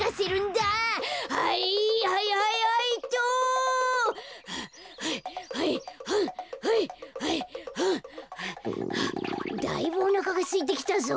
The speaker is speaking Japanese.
だいぶおなかがすいてきたぞ。